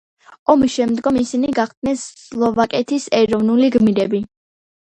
ომის შემდგომ ისინი გახდნენ სლოვაკეთის ეროვნული გმირები.